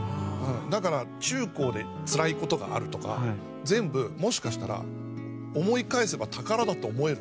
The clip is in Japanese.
だから中高でつらい事があるとか全部もしかしたら思い返せば宝だと思える。